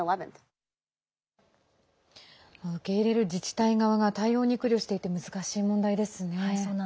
受け入れる自治体側が対応に苦慮していて難しい問題ですね。